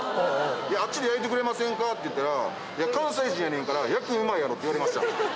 あっちで焼いてくれませんかって言ったら、関西人やねんから、焼くのうまいやろって言われました。